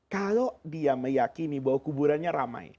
kalau dia meyakini bahwa kuburannya ramai